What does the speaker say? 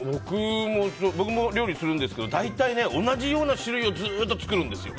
僕も料理するんですけど大体、同じような種類をずっと作るんですよ。